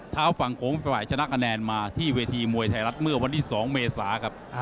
ทางฝั่งโขงสมัยชนะคะแนนมาที่เวทีมวยไทยรัฐเมื่อวันที่๒เมษาครับ